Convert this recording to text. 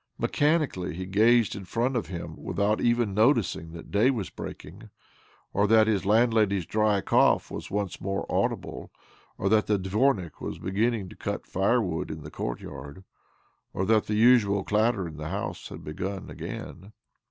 Mechanically he gazed in front of him with out even noticing that day was breaking, or that his landlady's dry cough was once more audible, or that the dvornik was beginning to cut firewood in the courtyard, or that the usual clatter in the house had begun again.